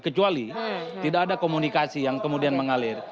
kecuali tidak ada komunikasi yang kemudian mengalir